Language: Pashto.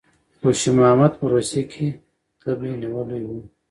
خوشي محمد په روسیې کې تبه نیولی وو.